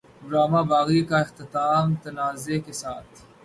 drama Baaghi کا اختتام تنازعے کے ساتھ